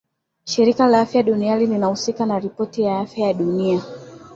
Shirika la afya duniani linahusika na ripoti ya afya ya dunia